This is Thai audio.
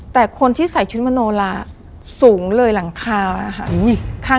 แต่คนที่ใส่ชุดมโนลาสูงเลยหลังคาค่ะ